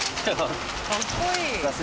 かっこいい！